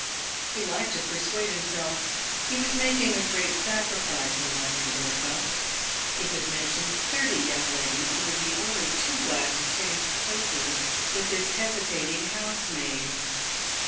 He liked to persuade him self he was making a great sacrifice in loving Bertha. He could mention thirty young ladies who would be only too glad to change places with this hesitating housemaid.